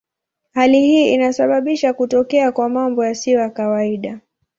Hali hii inasababisha kutokea kwa mambo yasiyo kawaida.